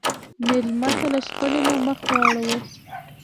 مېلمه ته له شخړې نه مخ واړوه.